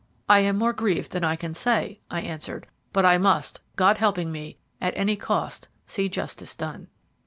"I am more grieved than I can say," I answered; "but I must, God helping me, at any cost see justice done."